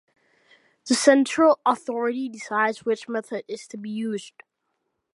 The central authority decides which method is to be used.